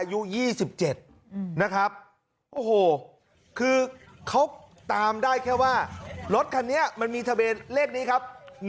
อายุ๒๗นะครับโอ้โหคือเขาตามได้แค่ว่ารถคันนี้มันมีทะเบียนเลขนี้ครับ